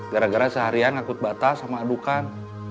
gara gara seharian akut batas sama adukan